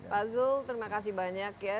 pak zul terima kasih banyak ya